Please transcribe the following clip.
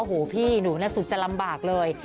โอ้โหพี่หนูสุดจะลำบากเลย